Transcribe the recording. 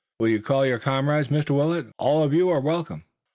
Will you call your comrades, Mr. Willet? All of you are welcome."